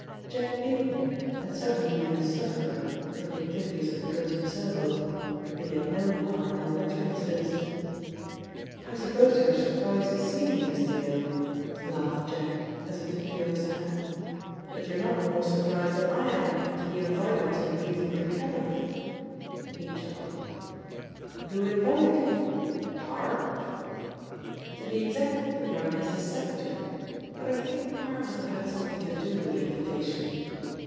Jack Beardmore had certainly been a sufferer from the activities of the Crimson Circle, but he had no part in the latter incidents. "I suppose you are surprised to see me, Mr. Yale," laughed Jack, as he took the other's hand, "but you're not more surprised than I am to be invited to a meeting of the Cabinet." He chuckled. "Who invited you? Parr?" "To be exact, the Prime Minister's secretary. But I think Parr must have had something to do with the invitation.